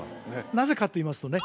なぜかっていいますとね